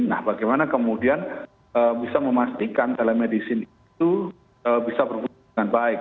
nah bagaimana kemudian bisa memastikan telemedicine itu bisa berfungsi dengan baik